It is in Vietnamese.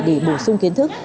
để bổ sung kiến thức